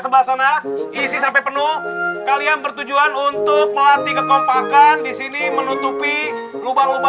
sebelah sana isi sampai penuh kalian bertujuan untuk melatih kekompakan disini menutupi lubang lubang